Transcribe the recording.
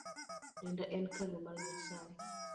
Denda en kalu mar nyasae.